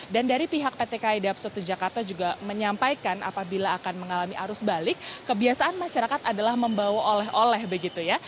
dan dari pihak pt kaida pusat di jakarta juga menyampaikan apabila akan mengalami arus balik kebiasaan masyarakat adalah membawa oleh oleh begitu ya